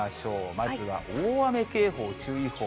まずは大雨警報、注意報。